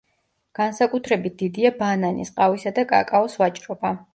განსაკუთრებით დიდია ბანანის, ყავისა და კაკაოს ვაჭრობა.